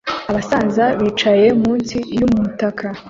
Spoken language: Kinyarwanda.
Abasaza bicaye munsi yumutaka